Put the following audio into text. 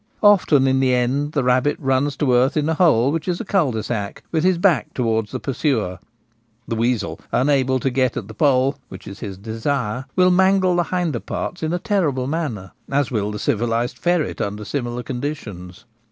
Often in the end the rabbit runs to earth in a hole which is a cul de sac, with his back towards the pursuer. The weasel, un able to get at the poll, which is his desire, will mangle the hinder parts in a terrible manner — as will the civil ised ferret under similar conditions.